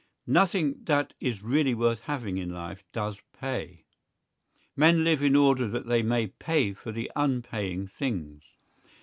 Nothing that is really worth having in life does pay. Men live in order that they may pay for the unpaying things.